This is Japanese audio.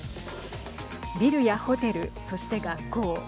ビルやホテル、そして学校。